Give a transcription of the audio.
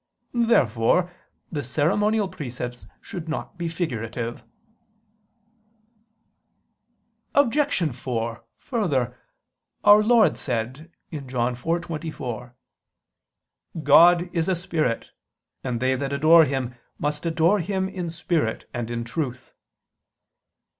Therefore the ceremonial precepts should not be figurative. Obj. 4: Further, Our Lord said (John 4:24): "God is a spirit, and they that adore Him, must adore Him in spirit and in truth."